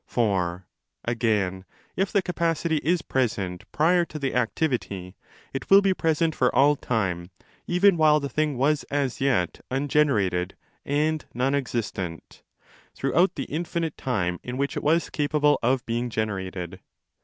* (4) Again, if the capacity is present prior to the activity, it will be present for all time, even while the thing was as yet ungenerated and non existent, throughout the infinite time in which it was capable of being generated.